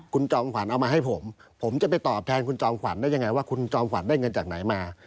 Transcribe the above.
คุณจอมขวัญเอามาให้ผมผมจะไปตอบแทนคุณจอมขวัญได้ยังไงว่าคุณจอมขวัญได้เงินจากไหนมา